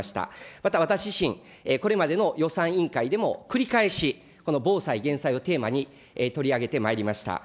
また私自身、これまでの予算委員会でも繰り返し、この防災・減災をテーマに取り上げてまいりました。